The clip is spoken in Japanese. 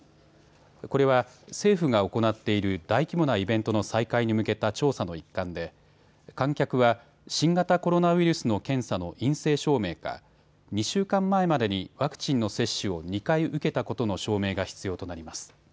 これは政府が行っている大規模なイベントの再開に向けた調査の一環で観客は新型コロナウイルスの検査の陰性証明か２週間前までにワクチンの接種を２回受けたことの証明が必要となります。